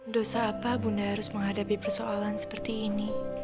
dosa apa bunda harus menghadapi persoalan seperti ini